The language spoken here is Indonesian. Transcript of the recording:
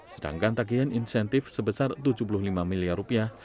sedangkan tagihan insentif sebesar tujuh puluh lima miliar rupiah